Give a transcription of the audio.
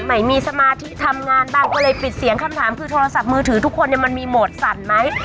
ไม่มีสมาธิทำงานบ้างก็เลยปิดเสียงคำถามคือโทรศัพท์มือถือทุกคนเนี่ยมันมีโหมดสั่นไหม